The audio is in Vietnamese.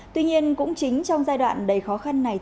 tuy nhiên cũng chính trong giai đoạn đầy khó khăn này